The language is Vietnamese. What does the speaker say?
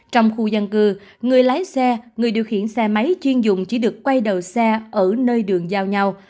trong khu dân cư người lái xe người điều khiển xe máy chuyên dụng chỉ được quay đầu xe ở nơi đường giao nhau